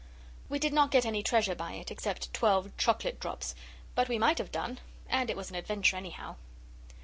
We did not get any treasure by it, except twelve chocolate drops; but we might have done, and it was an adventure, anyhow.